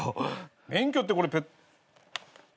免許ってこれペッ。